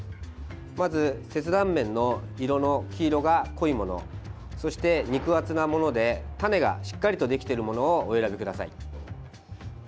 まず切断面の色の黄色が濃いものそして肉厚なもので種がしっかりとできているものをお選びください。